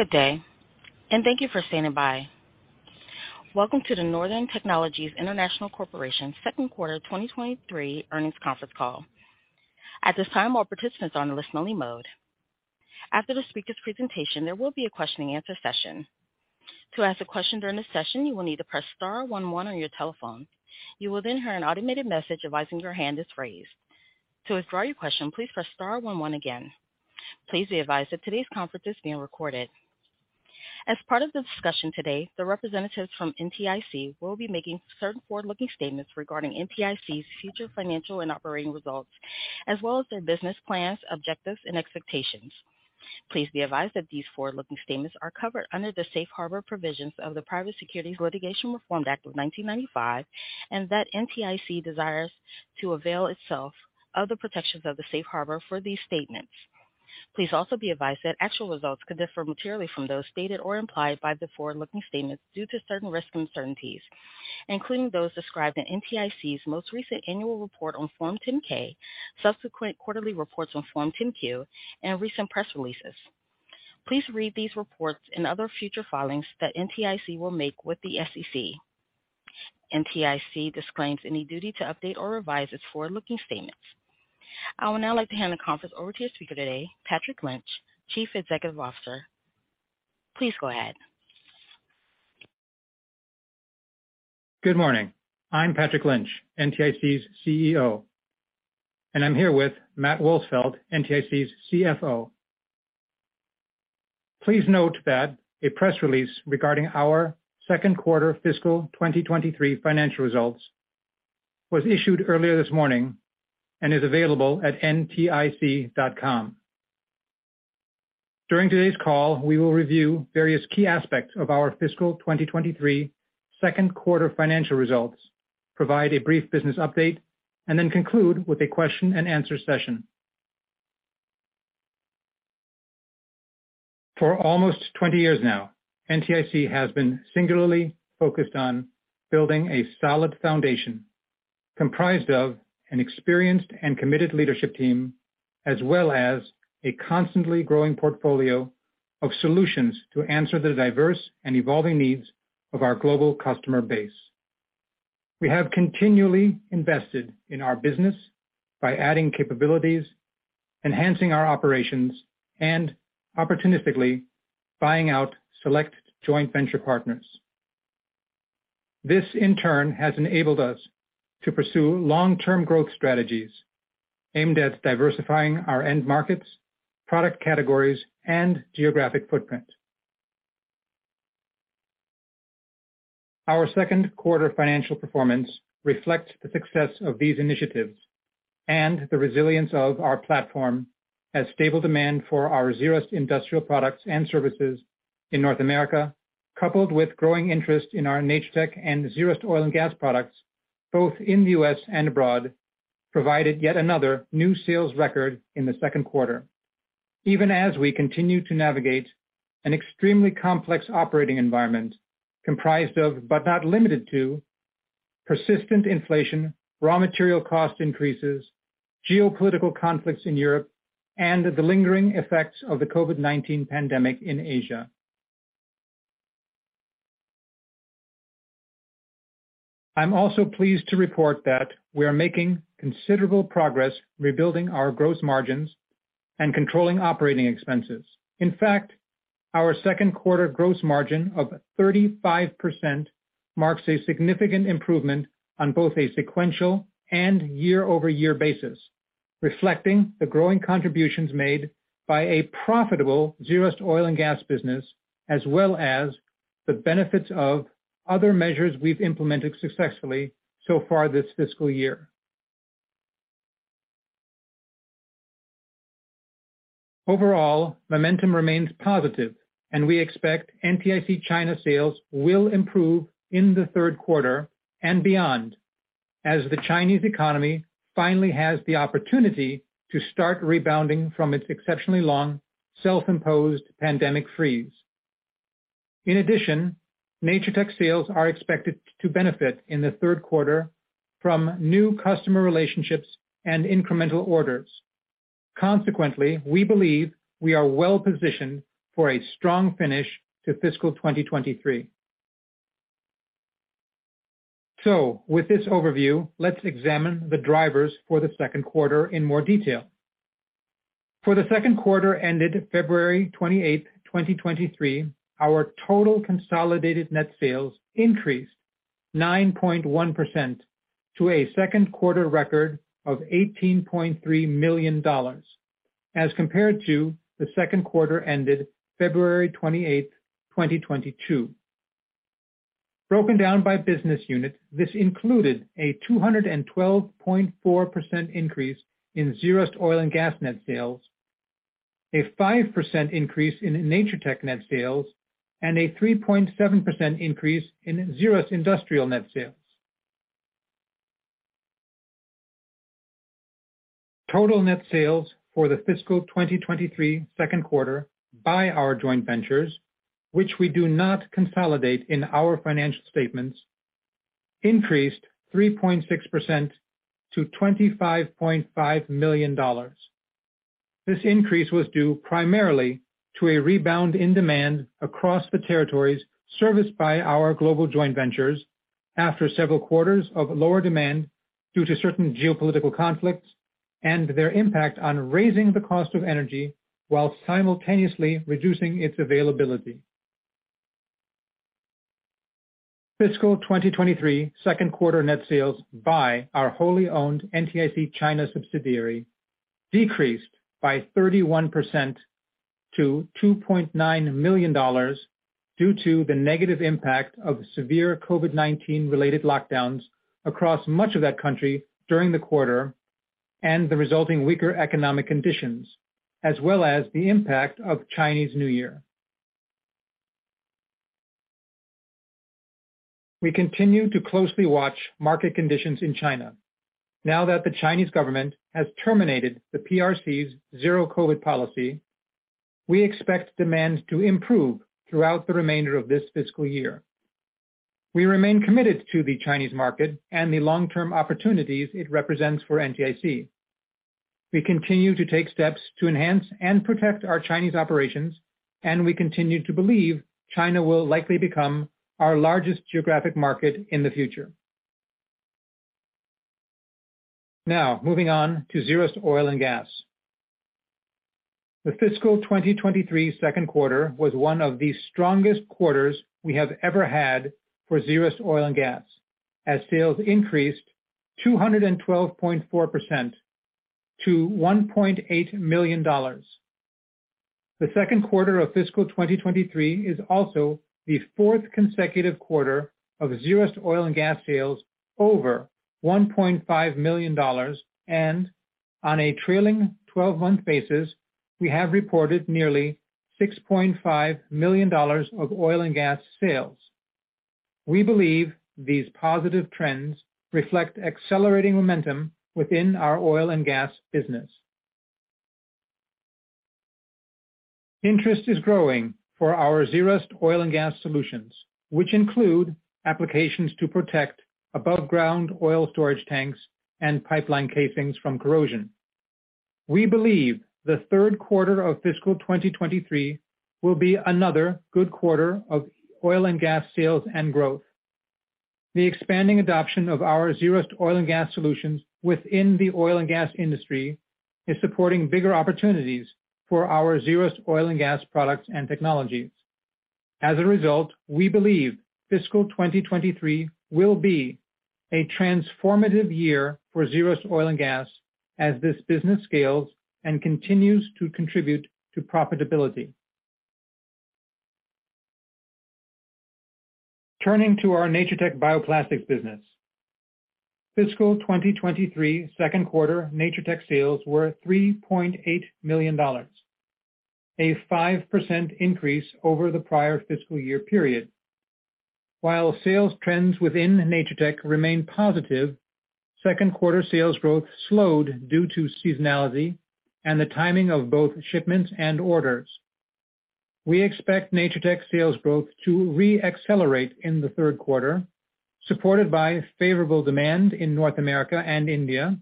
Good day. Thank you for standing by. Welcome to the Northern Technologies International Corporation second quarter 2023 earnings conference call. At this time, all participants are on listen only mode. After the speaker's presentation, there will be a question-and-answer session. To ask a question during the session, you will need to press star one one on your telephone. You will then hear an automated message advising your hand is raised. To withdraw your question, please press star one one again. Please be advised that today's conference is being recorded. As part of the discussion today, the representatives from NTIC will be making certain forward-looking statements regarding NTIC's future financial and operating results, as well as their business plans, objectives and expectations. Please be advised that these forward-looking statements are covered under the safe harbor provisions of the Private Securities Litigation Reform Act of 1995 and that NTIC desires to avail itself of the protections of the safe harbor for these statements. Please also be advised that actual results could differ materially from those stated or implied by the forward-looking statements due to certain risks and uncertainties, including those described in NTIC's most recent annual report on Form 10-K, subsequent quarterly reports on Form 10-Q, and recent press releases. Please read these reports and other future filings that NTIC will make with the SEC. NTIC disclaims any duty to update or revise its forward-looking statements. I would now like to hand the conference over to your speaker today, Patrick Lynch, Chief Executive Officer. Please go ahead. Good morning. I'm Patrick Lynch, NTIC's CEO, and I'm here with Matt Wolsfeld, NTIC's CFO. Please note that a press release regarding our second quarter fiscal 2023 financial results was issued earlier this morning and is available at ntic.com. During today's call, we will review various key aspects of our fiscal 2023 second quarter financial results, provide a brief business update, and then conclude with a question-and-answer session. For almost 20 years now, NTIC has been singularly focused on building a solid foundation comprised of an experienced and committed leadership team, as well as a constantly growing portfolio of solutions to answer the diverse and evolving needs of our global customer base. We have continually invested in our business by adding capabilities, enhancing our operations, and opportunistically buying out select joint venture partners. This, in turn, has enabled us to pursue long-term growth strategies aimed at diversifying our end markets, product categories and geographic footprint. Our second quarter financial performance reflects the success of these initiatives and the resilience of our platform as stable demand for our ZERUST Industrial products and services in North America, coupled with growing interest in our Natur-Tec and ZERUST Oil & Gas products both in the U.S. and abroad, provided yet another new sales record in the second quarter. Even as we continue to navigate an extremely complex operating environment comprised of, but not limited to persistent inflation, raw material cost increases, geopolitical conflicts in Europe, and the lingering effects of the COVID-19 pandemic in Asia. I'm also pleased to report that we are making considerable progress rebuilding our gross margins and controlling operating expenses. In fact, our second quarter gross margin of 35% marks a significant improvement on both a sequential and year-over-year basis, reflecting the growing contributions made by a profitable ZERUST Oil & Gas business, as well as the benefits of other measures we've implemented successfully so far this fiscal year. Overall, momentum remains positive, we expect NTIC China sales will improve in the third quarter and beyond as the Chinese economy finally has the opportunity to start rebounding from its exceptionally long self-imposed pandemic freeze. In addition, Natur-Tec sales are expected to benefit in the third quarter from new customer relationships and incremental orders. Consequently, we believe we are well positioned for a strong finish to fiscal 2023. With this overview, let's examine the drivers for the second quarter in more detail. For the second quarter ended February 28, 2023, our total consolidated net sales increased 9.1% to a second quarter record of $18.3 million as compared to the second quarter ended February 28, 2022. Broken down by business unit, this included a 212.4% increase in ZERUST Oil & Gas net sales, a 5% increase in Natur-Tec net sales, and a 3.7% increase in ZERUST Industrial net sales. Total net sales for the fiscal 2023 second quarter by our joint ventures, which we do not consolidate in our financial statements. Increased 3.6% to $25.5 million. This increase was due primarily to a rebound in demand across the territories serviced by our global joint ventures after several quarters of lower demand due to certain geopolitical conflicts and their impact on raising the cost of energy while simultaneously reducing its availability. Fiscal 2023 second quarter net sales by our wholly owned NTIC China subsidiary decreased by 31% to $2.9 million due to the negative impact of severe COVID-19 related lockdowns across much of that country during the quarter and the resulting weaker economic conditions, as well as the impact of Chinese New Year. We continue to closely watch market conditions in China. Now that the Chinese government has terminated the PRC's zero COVID policy, we expect demand to improve throughout the remainder of this fiscal year. We remain committed to the Chinese market and the long-term opportunities it represents for NTIC. We continue to take steps to enhance and protect our Chinese operations, and we continue to believe China will likely become our largest geographic market in the future. Moving on to ZERUST Oil & Gas. The fiscal 2023 second quarter was one of the strongest quarters we have ever had for ZERUST Oil & Gas, as sales increased 212.4% to $1.8 million. The second quarter of fiscal 2023 is also the fourth consecutive quarter of ZERUST Oil & Gas sales over $1.5 million. On a trailing 12-month basis, we have reported nearly $6.5 million of oil and gas sales. We believe these positive trends reflect accelerating momentum within our oil and gas business. Interest is growing for our ZERUST Oil & Gas solutions, which include applications to protect above ground oil storage tanks and pipeline casings from corrosion. We believe the third quarter of fiscal 2023 will be another good quarter of oil and gas sales and growth. The expanding adoption of our ZERUST Oil & Gas solutions within the oil and gas industry is supporting bigger opportunities for our ZERUST Oil & Gas products and technologies. As a result, we believe fiscal 2023 will be a transformative year for ZERUST Oil & Gas as this business scales and continues to contribute to profitability. Turning to our Natur-Tec bioplastics business. Fiscal 2023 second quarter Natur-Tec sales were $3.8 million, a 5% increase over the prior fiscal year period. While sales trends within Natur-Tec remain positive, second quarter sales growth slowed due to seasonality and the timing of both shipments and orders. We expect Natur-Tec sales growth to re-accelerate in the third quarter, supported by favorable demand in North America and India,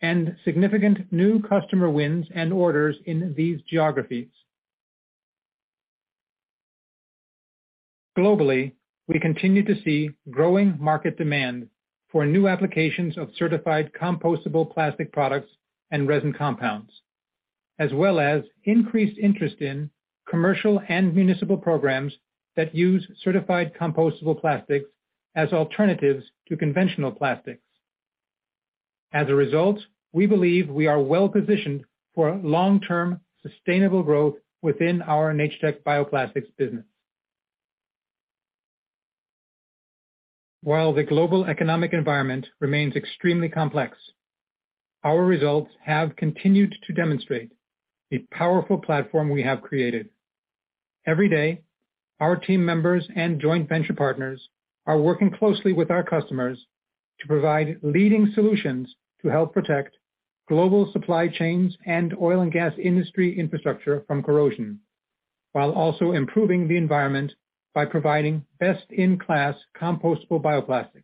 and significant new customer wins and orders in these geographies. Globally, we continue to see growing market demand for new applications of certified compostable plastic products and resin compounds, as well as increased interest in commercial and municipal programs that use certified compostable plastics as alternatives to conventional plastics. As a result, we believe we are well-positioned for long-term sustainable growth within our Natur-Tec bioplastics business. While the global economic environment remains extremely complex, our results have continued to demonstrate the powerful platform we have created. Every day, our team members and joint venture partners are working closely with our customers to provide leading solutions to help protect global supply chains and oil and gas industry infrastructure from corrosion, while also improving the environment by providing best-in-class compostable bioplastics.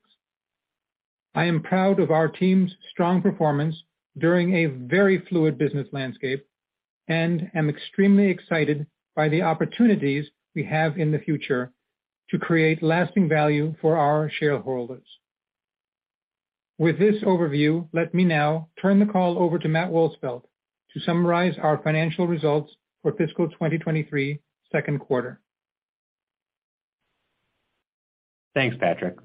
I am proud of our team's strong performance during a very fluid business landscape, and I'm extremely excited by the opportunities we have in the future to create lasting value for our shareholders. With this overview, let me now turn the call over to Matt Wolsfeld to summarize our financial results for fiscal 2023 second quarter. Thanks, Patrick.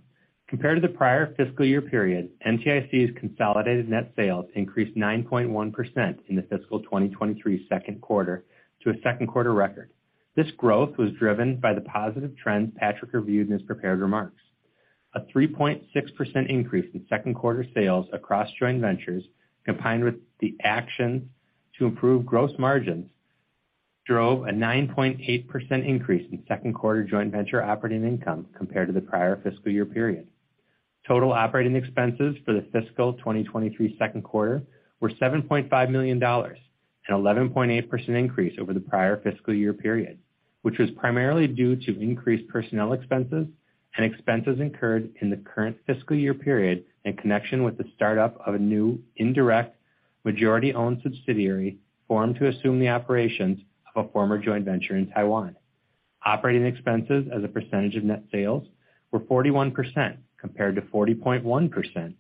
Compared to the prior fiscal year period, NTIC's consolidated net sales increased 9.1% in the fiscal 2023 second quarter to a second quarter record. This growth was driven by the positive trends Patrick reviewed in his prepared remarks. A 3.6% increase in second quarter sales across joint ventures, combined with the action to improve gross margins, drove a 9.8% increase in second quarter joint venture operating income compared to the prior fiscal year period. Total operating expenses for the fiscal 2023 second quarter were $7.5 million. An 11.8% increase over the prior fiscal year period, which was primarily due to increased personnel expenses and expenses incurred in the current fiscal year period in connection with the startup of a new indirect majority-owned subsidiary formed to assume the operations of a former joint venture in Taiwan. Operating expenses as a percentage of net sales were 41% compared to 40.1%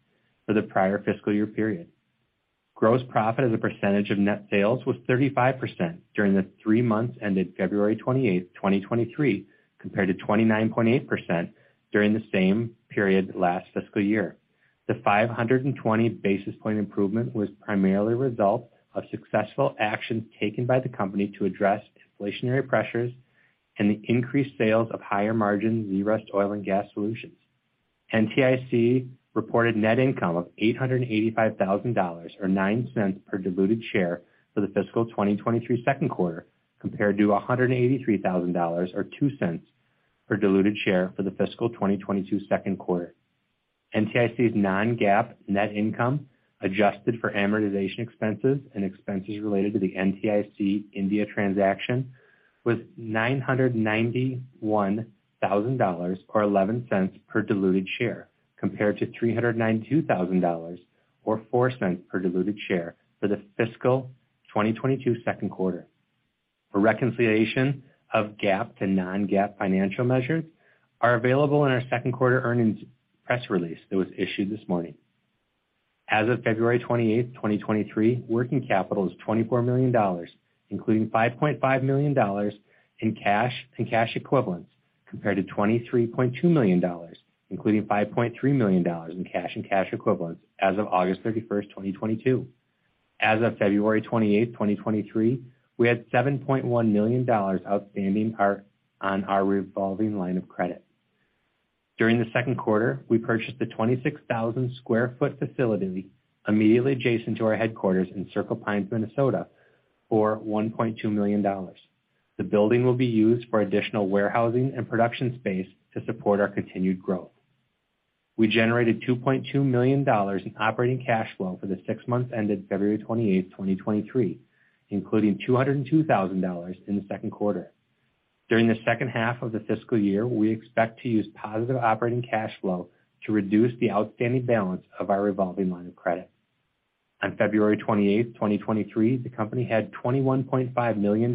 for the prior fiscal year period. Gross profit as a percentage of net sales was 35% during the three months ended February 28, 2023, compared to 29.8% during the same period last fiscal year. The 520 basis point improvement was primarily a result of successful actions taken by the company to address inflationary pressures and the increased sales of higher margin ZERUST Oil & Gas solutions. NTIC reported net income of $885,000 or $0.09 per diluted share for the fiscal 2023 second quarter, compared to $183,000 or $0.02 per diluted share for the fiscal 2022 second quarter. NTIC's non-GAAP net income, adjusted for amortization expenses and expenses related to the NTIC India transaction, was $991,000 or $0.11 per diluted share, compared to $392,000 or $0.04 per diluted share for the fiscal 2022 second quarter. A reconciliation of GAAP to non-GAAP financial measures are available in our second quarter earnings press release that was issued this morning. As of February 28, 2023, working capital is $24 million, including $5.5 million in cash and cash equivalents, compared to $23.2 million, including $5.3 million in cash and cash equivalents as of August 31, 2022. As of February 28, 2023, we had $7.1 million outstanding on our revolving line of credit. During the second quarter, we purchased a 26,000 sq ft facility immediately adjacent to our headquarters in Circle Pines, Minnesota, for $1.2 million. The building will be used for additional warehousing and production space to support our continued growth. We generated $2.2 million in operating cash flow for the six months ended February 28, 2023, including $202,000 in the second quarter. During the second half of the fiscal year, we expect to use positive operating cash flow to reduce the outstanding balance of our revolving line of credit. On February 28, 2023, the company had $21.5 million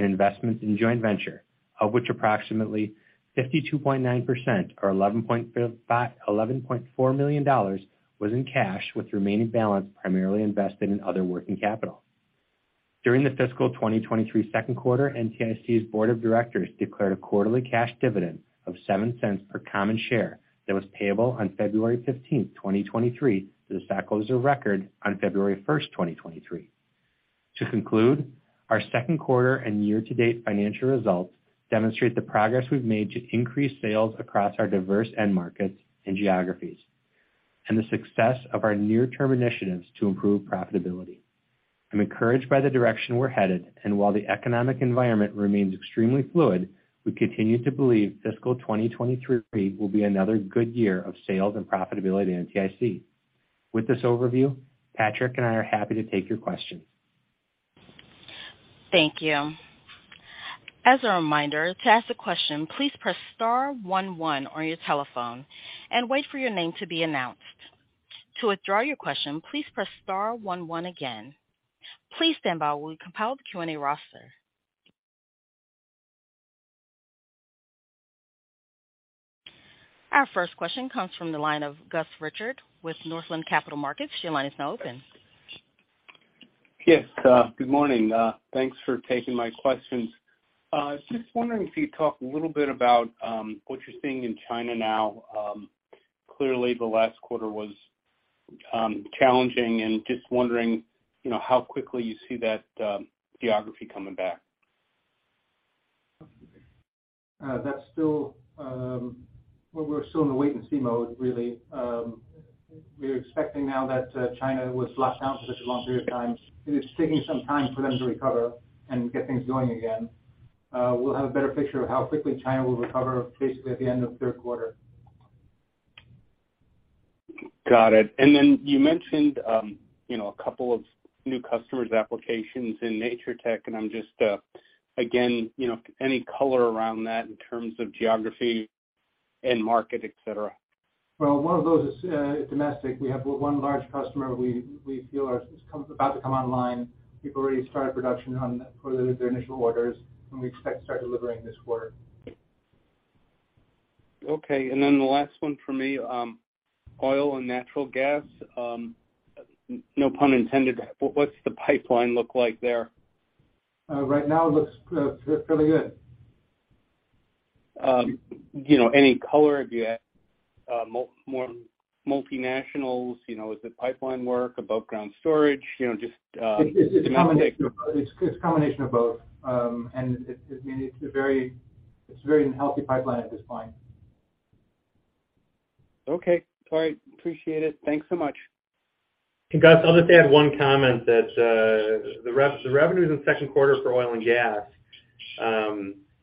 in investments in joint venture, of which approximately 52.9% or $11.4 million was in cash, with the remaining balance primarily invested in other working capital. During the fiscal 2023 second quarter, NTIC's Board of Directors declared a quarterly cash dividend of $0.07 per common share that was payable on February 15, 2023 to the stockholders of record on February 1, 2023. To conclude, our second quarter and year-to-date financial results demonstrate the progress we've made to increase sales across our diverse end markets and geographies, and the success of our near-term initiatives to improve profitability. I'm encouraged by the direction we're headed, and while the economic environment remains extremely fluid, we continue to believe fiscal 2023 will be another good year of sales and profitability at NTIC. With this overview, Patrick and I are happy to take your questions. Thank you. As a reminder, to ask a question, please press star one one on your telephone and wait for your name to be announced. To withdraw your question, please press star one one again. Please stand by while we compile the Q&A roster. Our first question comes from the line of Gus Richard with Northland Capital Markets. Your line is now open. Good morning. Thanks for taking my questions. Just wondering if you'd talk a little bit about what you're seeing in China now. Clearly, the last quarter was challenging and just wondering, you know, how quickly you see that geography coming back. That's still. We're still in a wait-and-see mode, really. We're expecting now that China was locked down for such a long period of time. It's taking some time for them to recover and get things going again. We'll have a better picture of how quickly China will recover basically at the end of third quarter. Got it. Then you mentioned, you know, a couple of new customers applications in Natur-Tec, and I'm just, again, you know, any color around that in terms of geography and market, et cetera? Well, one of those is domestic. We have one large customer we feel are about to come online. People already started production on for the initial orders, and we expect to start delivering this quarter. Okay. The last one for me, oil and natural gas, no pun intended, what's the pipeline look like there? Right now it looks pretty good. You know, any color, if you have, more multinationals, you know, is it pipeline work, above ground storage? You know, just. It's a combination of both. It's combination of both. it's, I mean, it's a very healthy pipeline at this point. Okay. All right. Appreciate it. Thanks so much. Gus, I'll just add one comment that, the revenues in the second quarter for oil and gas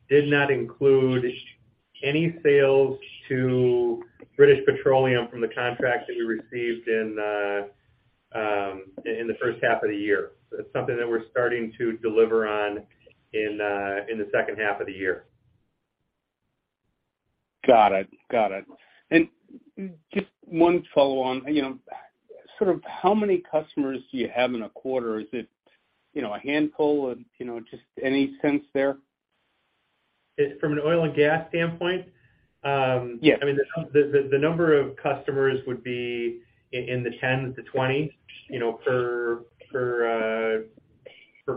did not include any sales to British Petroleum from the contract that we received in the first half of the year. It's something that we're starting to deliver on in the second half of the year. Got it. Got it. Just one follow on. You know, sort of how many customers do you have in a quarter? Is it, you know, a handful of, you know, just any sense there? From an oil and gas standpoint? Yeah. I mean, the number of customers would be in the 10-20, you know, per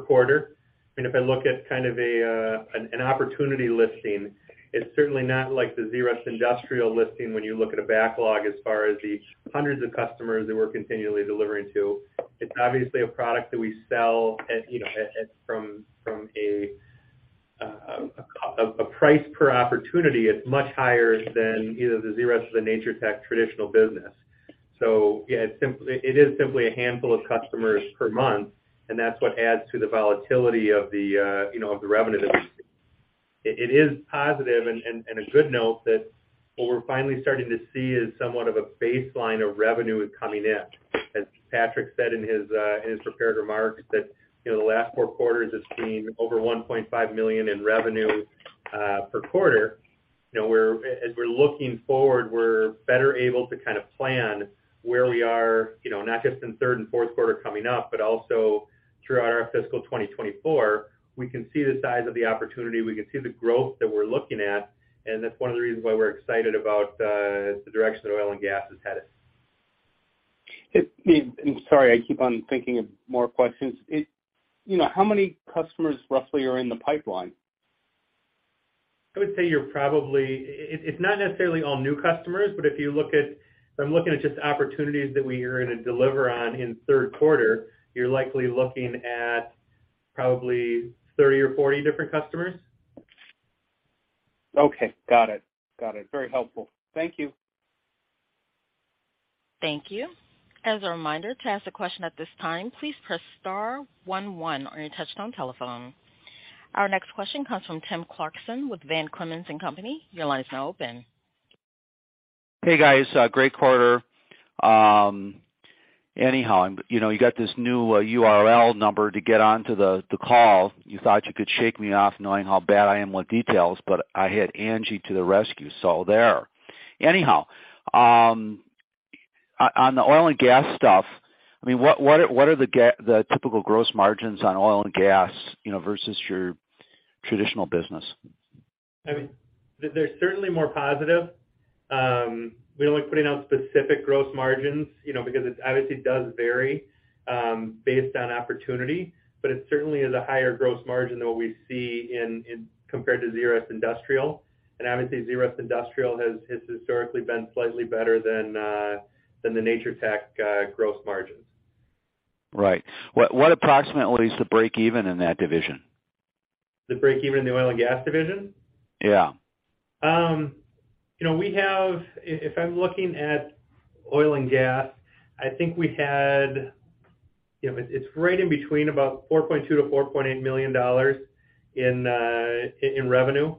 quarter. I mean, if I look at kind of an opportunity listing, it's certainly not like the ZERUST Industrial listing when you look at a backlog as far as the hundreds of customers that we're continually delivering to. It's obviously a product that we sell at, you know, at from a price per opportunity is much higher than either the ZERUST or the Natur-Tec traditional business. Yeah, it is simply a handful of customers per month, and that's what adds to the volatility of the, you know, of the revenue that we see. It is positive and a good note that what we're finally starting to see is somewhat of a baseline of revenue is coming in. As Patrick said in his prepared remarks that, you know, the last four quarters has seen over $1.5 million in revenue per quarter. You know, as we're looking forward, we're better able to kind of plan where we are, you know, not just in third and fourth quarter coming up, but also throughout our fiscal 2024. We can see the size of the opportunity, we can see the growth that we're looking at, and that's one of the reasons why we're excited about the direction oil and gas is headed. I'm sorry, I keep on thinking of more questions. you know, how many customers roughly are in the pipeline? I would say you're probably... It's not necessarily all new customers, if I'm looking at just opportunities that we are gonna deliver on in third quarter, you're likely looking at probably 30 or 40 different customers. Okay, got it. Got it. Very helpful. Thank you. Thank you. As a reminder, to ask a question at this time, please press star one one on your touchtone telephone. Our next question comes from Tim Clarkson with Van Clemens & Co, Inc Your line is now open. Hey, guys, great quarter. Anyhow, you know, you got this new URL number to get onto the call. You thought you could shake me off knowing how bad I am with details, but I had Angie to the rescue, so there. Anyhow, on the oil and gas stuff, I mean, what are the typical gross margins on oil and gas, you know, versus your traditional business? I mean, they're certainly more positive. We don't like putting out specific gross margins, you know, because it obviously does vary, based on opportunity. It certainly is a higher gross margin than what we see in compared to ZERUST Industrial. Obviously, ZERUST Industrial has historically been slightly better than the Natur-Tec gross margins. Right. What approximately is the break even in that division? The break even in the oil and gas division? Yeah. you know, if I'm looking at oil and gas, I think we had, you know, it's right in between about $4.2 million-$4.8 million in revenue.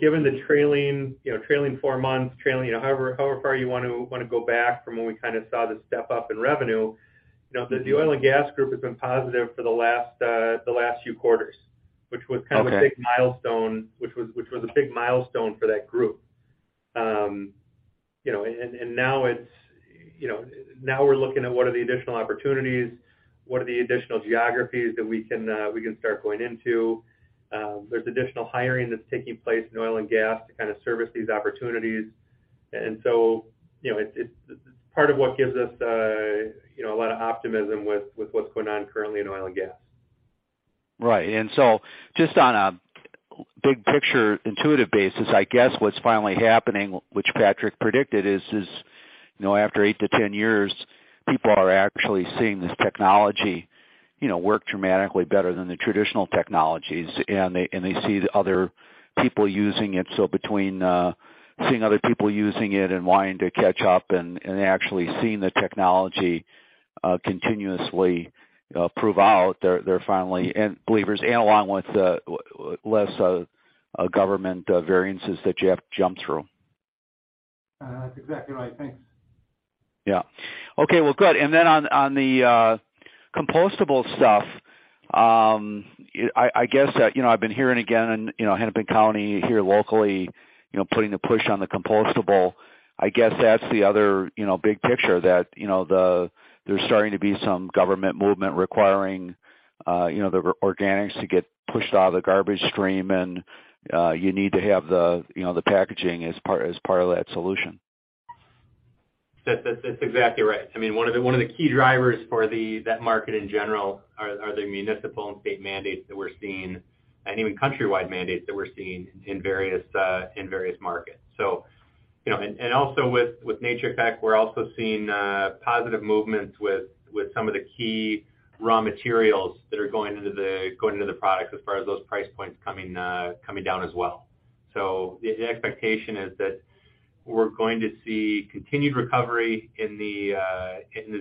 Given the trailing, you know, trailing four months, trailing, you know, however far you want to go back from when we kind of saw the step up in revenue, you know, the oil and gas group has been positive for the last, the last few quarters, which was kind of- Okay. A big milestone, which was a big milestone for that group. you know, and now it's, you know, now we're looking at what are the additional opportunities, what are the additional geographies that we can, we can start going into. There's additional hiring that's taking place in oil and gas to kind of service these opportunities. you know, it's part of what gives us, you know, a lot of optimism with what's going on currently in oil and gas. Right. Just on a big picture intuitive basis, I guess what's finally happening, which Patrick predicted is, you know, after eight to 10 years, people are actually seeing this technology, you know, work dramatically better than the traditional technologies, and they see other people using it. Between seeing other people using it and wanting to catch up and actually seeing the technology continuously prove out, they're finally end believers and along with less government variances that you have to jump through. That's exactly right. Thanks. Yeah. Okay. Well, good. On, on the compostable stuff, I guess, you know, I've been hearing again, you know, Hennepin County here locally, you know, putting the push on the compostable. I guess that's the other, you know, big picture that, you know, there's starting to be some government movement requiring, you know, the organics to get pushed out of the garbage stream and, you need to have the, you know, the packaging as part of that solution. That's exactly right. I mean, one of the key drivers for that market in general are the municipal and state mandates that we're seeing and even countrywide mandates that we're seeing in various markets. You know, and also with Natur-Tec, we're also seeing positive movements with some of the key raw materials that are going into the product as far as those price points coming down as well. The expectation is that we're going to see continued recovery in the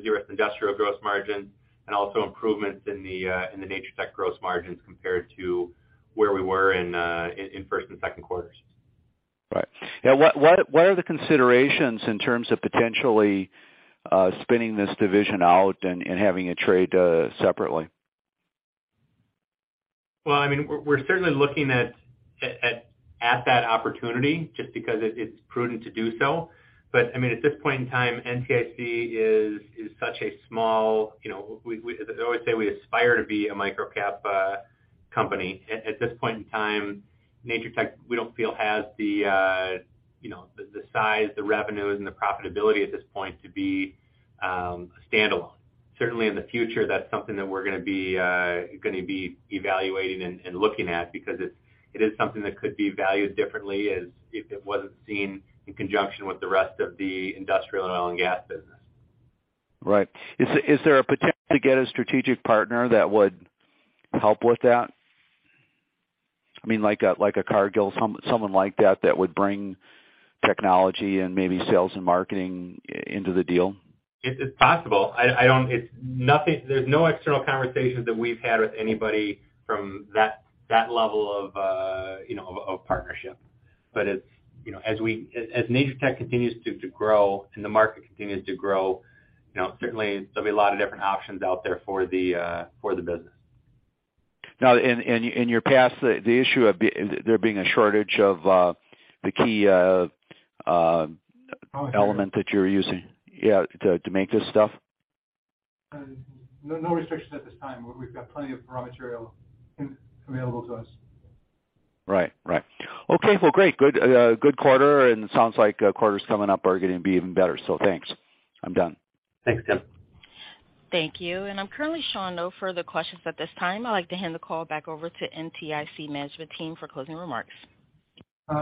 ZERUST Industrial gross margin and also improvements in the Natur-Tec gross margins compared to where we were in first and second quarters. Right. Yeah, what are the considerations in terms of potentially spinning this division out and having it trade separately? Well, I mean, we're certainly looking at that opportunity just because it's prudent to do so. I mean, at this point in time, NTIC is such a small, you know, as I always say we aspire to be a microcap company. At this point in time, Natur-Tec, we don't feel has the, you know, the size, the revenues and the profitability at this point to be standalone. Certainly in the future, that's something that we're gonna be evaluating and looking at because it is something that could be valued differently as if it wasn't seen in conjunction with the rest of the industrial oil and gas business. Right. Is there a potential to get a strategic partner that would help with that? I mean, like a Cargill, someone like that would bring technology and maybe sales and marketing into the deal. It's possible. I don't... There's no external conversations that we've had with anybody from that level of, you know, of partnership. It's, you know, as Natur-Tec continues to grow and the market continues to grow, you know, certainly there'll be a lot of different options out there for the business. Now in your past, the issue of there being a shortage of the key element that you're using. Yeah, to make this stuff. No, no restrictions at this time. We've got plenty of raw material available to us. Right. Right. Okay. Well, great. Good. Good quarter. It sounds like quarters coming up are gonna be even better. Thanks. I'm done. Thanks, Tim. Thank you. I'm currently showing no further questions at this time. I'd like to hand the call back over to NTIC management team for closing remarks.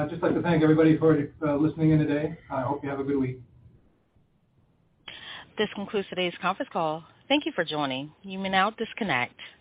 Just like to thank everybody for listening in today. I hope you have a good week. This concludes today's conference call. Thank you for joining. You may now disconnect.